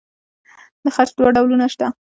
د خج دوه ډولونه شته.